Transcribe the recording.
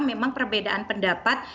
memang perbedaan pendapat